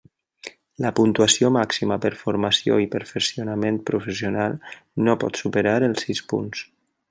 La puntuació màxima per formació i perfeccionament professional no pot superar els sis punts.